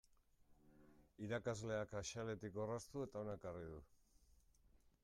Irakasleak axaletik orraztu eta hona ekarri du.